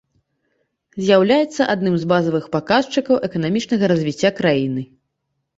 З'яўляецца адным з базавых паказчыкаў эканамічнага развіцця краіны.